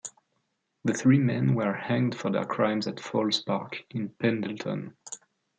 The three men were hanged for their crimes at Falls Park in Pendleton.